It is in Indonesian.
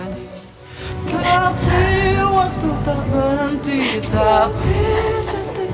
gak gara gara kamu